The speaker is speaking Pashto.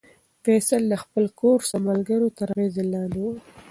فیصل د خپل کورس د ملګرو تر اغېز لاندې و.